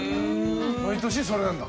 毎年それなんだ？